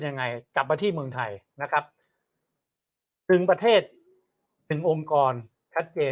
ยังไงกลับมาที่เมืองไทยนะครับถึงประเทศตึงองค์กรชัดเจน